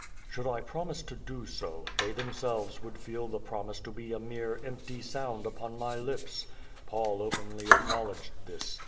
Should I promise to do so, they themselves would feel the promise to be a mere empty sound u|")on my lips. Paul open ly acknowledged this.